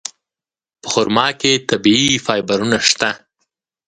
په خرما کې طبیعي فایبرونه شته.